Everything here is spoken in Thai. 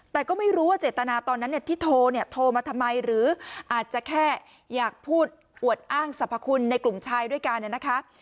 แต่ก็ไม่รู้ว่าเจตนาตอนนั้นเนี่ยที่โทรเนี่ยโทรมาทำไมหรืออาจจะแค่อยากพูดอวดอ้างสรรพคุณในกลุ่มชายด้วยกันนะคะ